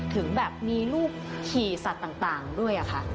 ถึงแบบมีลูกขี่สัตว์ต่างด้วยค่ะ